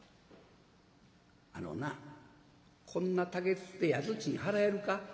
「あのなこんな竹筒で宿賃払えるか？